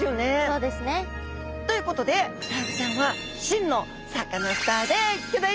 そうですね。ということでクサフグちゃんは真のサカナスターでギョざいます！